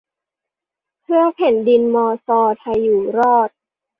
เพื่อแผ่นดินมอซอไทยอยู่รอด